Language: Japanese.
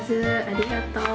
ありがとう。